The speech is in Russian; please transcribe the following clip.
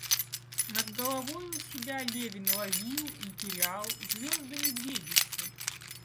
Над головой у себя Левин ловил и терял звезды Медведицы.